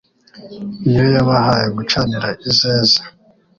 Ni yo yabahaye gucanira izeze